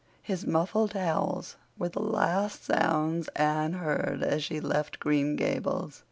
His muffled howls were the last sounds Anne heard as she left Green Gables.